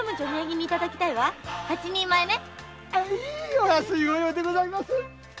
お安い御用でございますよ。